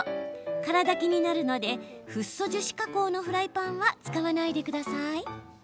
空だきになるのでフッ素樹脂加工のフライパンは使わないでください。